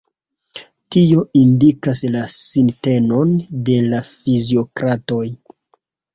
Tio indikas la sintenon de la fiziokratoj.